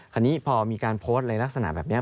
คราวนี้พอมีการโพสต์ในลักษณะแบบนี้